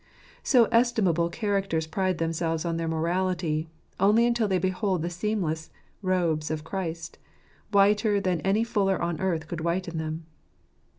So estimable characters pride themselves on their morality, only until they behold the seamless robes of Christ, whiter than any fuller on earth could whiten them.